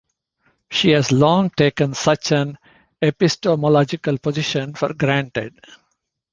She has long taken such an epistemological position for granted.